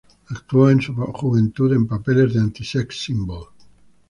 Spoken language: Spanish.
Actuó en su juventud en papeles de antisex-simbol.